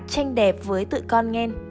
tranh đẹp với tụi con nghen